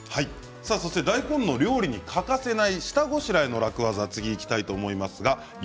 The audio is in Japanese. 大根の料理に欠かせない下ごしらえの楽ワザに次いきたいと思います。